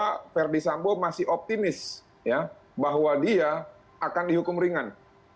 karena verdi sambo masih optimis bahwa dia akan dihukum ringan